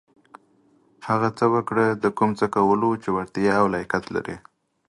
هغه څه وکړه د کوم څه کولو چې وړتېا او لياقت لرٸ.